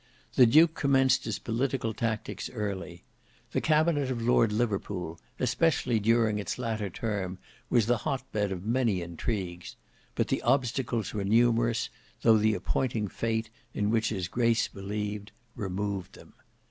The duke commenced his political tactics early. The cabinet of Lord Liverpool, especially during its latter term, was the hot bed of many intrigues; but the obstacles were numerous, though the appointing fate, in which his grace believed, removed them.